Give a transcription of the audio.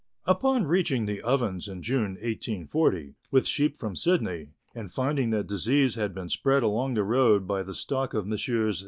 Upon reaching the Ovens in June 1840, with sheep from Sydney, and finding that disease had been spread along the road by the stock of Messrs.